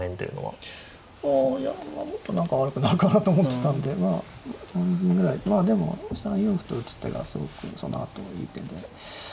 いやまあもっと何か悪くなるかなと思ってたんでまあ５二銀ぐらいまあでも３四歩と打つ手がすごくそのあといい手で。